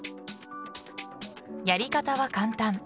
やり方は簡単。